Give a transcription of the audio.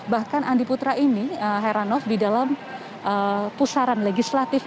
bahkan andi putra ini heranov di dalam pusaran legislatif